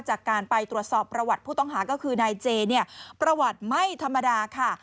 จากการไปตรวจสอบประวัติผู้ต้องหาก็คือนายเจเนี่ยประวัติไม่ธรรมดาค่ะ